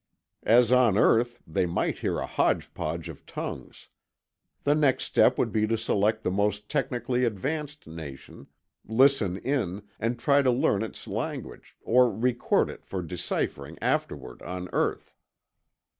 As on earth, they might hear a hodgepodge of tongues. The next step would be to select the most technically advanced nation, listen in, and try to learn its language, or record it for deciphering afterward on earth.